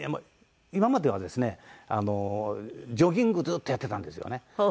今まではですねジョギングずっとやってたんですよね。